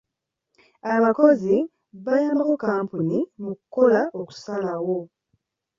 Abakozi bayambako kkampuni mu kukola okusalawo.